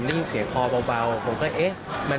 แต่เสียคอเบาผมก็เอ๊ะ